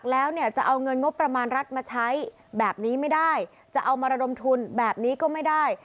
แล้วเนี่ยจะเอาเงินงบประมาณรัฐมาใช้แบบนี้ไม่ได้จะเอามาระดมทุนแบบนี้ก็ไม่ได้